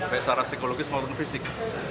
baik secara psikologis maupun fisik